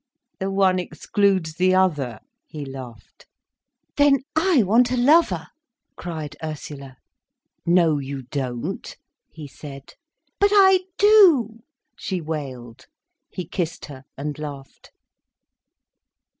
"The one excludes the other," he laughed. "Then I want a lover," cried Ursula. "No you don't," he said. "But I do," she wailed. He kissed her, and laughed.